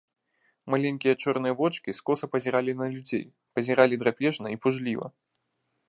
Маленькія чорныя вочкі скоса пазіралі на людзей, пазіралі драпежна і пужліва.